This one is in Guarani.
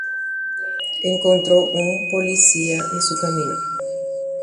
ojuhu hapépe peteĩ tahachi